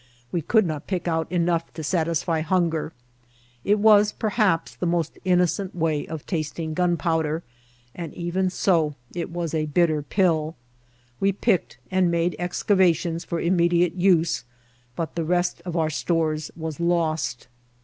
We could not pick out enough to satisfy hunger. It was perhaps the most innocent way of tasting gunpowder, but even so it was a bitter pill. We picked and made excavations for immediate use, but the rest of our stores was lost.